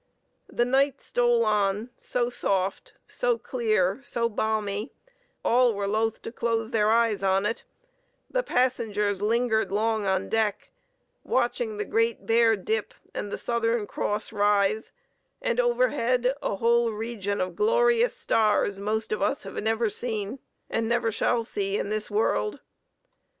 The night stole on so soft, so clear, so balmy, all were loth to close their eyes on it: the passengers lingered long on deck, watching the Great Bear dip, and the Southern Cross rise, and overhead a whole heaven of glorious stars most of us have never seen, and never shall see in this world.